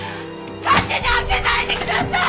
勝手に開けないでください！